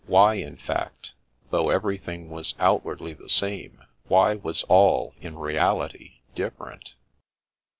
Why, in fact, though everything was outwardly the same, why was all in reality different